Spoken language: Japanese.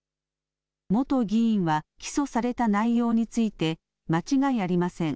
元議員は、起訴された内容について、間違いありません。